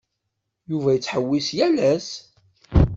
Yuba yettḥewwis yal ass.